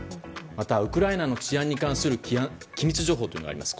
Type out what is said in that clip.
また、ウクライナの治安に関する機密情報があります。